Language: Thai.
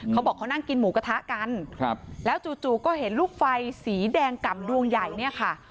เขาบอกเขานั่งกินหมูกระทะกันครับแล้วจู่ก็เห็นลูกไฟสีแดงกล่ำดวงใหญ่เนี่ยค่ะ